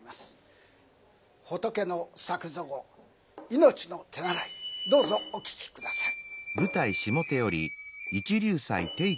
「仏の作蔵命の手習」どうぞお聴き下さい。